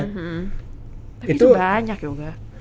tapi itu banyak ya